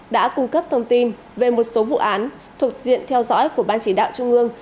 đã cung cấp thông tin về một số vụ án thuộc diện theo dõi của ban chỉ đạo trung ương